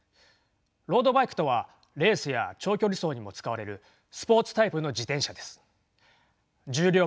ロードバイクとはレースや長距離走にも使われるスポーツタイプの自転車です。